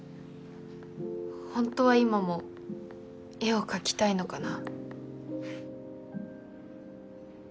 ホントは今も絵を描きたいのかな？